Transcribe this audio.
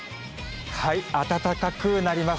はい、暖かくなります。